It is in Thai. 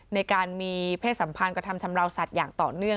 ในการมีเพศสัมพันธ์กระทำชำราวสัตว์อย่างต่อเนื่อง